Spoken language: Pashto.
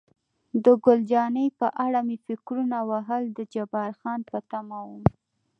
د ګل جانې په اړه مې فکرونه وهل، د جبار خان په تمه وم.